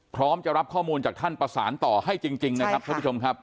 พร้อมจะรับข้อมูลจากท่านประสานต่อให้จริงนะครับท่านผู้ชมครับ